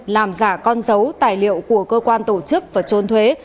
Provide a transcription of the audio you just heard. làm giả con dấu tài liệu của cơ quan tổ chức và trốn thuế